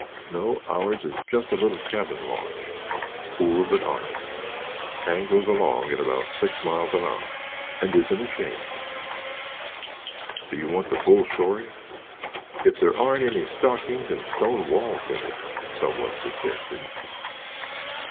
No, ours is just a little cabin launch—poor, but honest, tangoes along at about six miles an hour and isn't ashamed. Do you want the full story?" "If there aren't any stockings and stone walls in it," someone suggested.